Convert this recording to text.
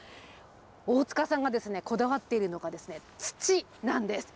大塚さんがこだわっているのが土なんです。